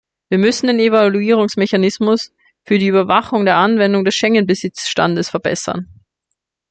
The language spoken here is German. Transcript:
Wir müssen den Evaluierungsmechanismus für die Überwachung der Anwendung des Schengen-Besitzstands verbessern.